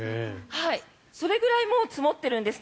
それぐらいもう積もっているんですね。